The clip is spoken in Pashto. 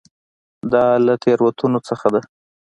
دا له تېروتنو څخه ده.